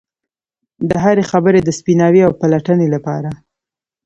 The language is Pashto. د هرې خبرې د سپیناوي او پلټنې لپاره.